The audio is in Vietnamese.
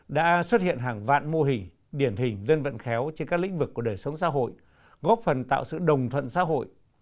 đã xuất hiện hàng vạn mô hình điển hình dân vận khéo trên các lĩnh vực của đời sống xã hội góp phần tạo sự đồng thuận xã hội